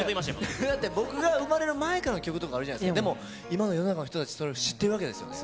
だって僕が生まれる前からのでも、今の世の中の人たち、それを知ってるわけですよね。